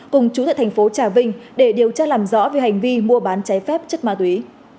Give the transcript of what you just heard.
cùng chú tại thành phố trà vinh để điều tra làm rõ về hành vi mua bán cháy phép chất ma túy